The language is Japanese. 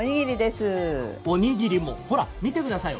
おにぎりも見てくださいよ。